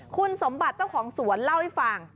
คุณสมบัติเจ้าของสวนเล่าให้ฟัง